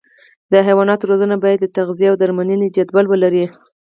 د حیواناتو روزنه باید د تغذیې او درملنې جدول ولري.